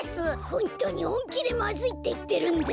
ホントにほんきでまずいっていってるんだ！